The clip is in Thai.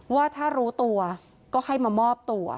ว่าถ้ารู้ตัวก็ให้มามอบตัว